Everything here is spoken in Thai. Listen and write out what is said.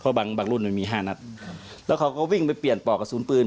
เพราะบางบางรุ่นมันมีห้านัดครับแล้วเขาก็วิ่งไปเปลี่ยนปอกกระสุนปืน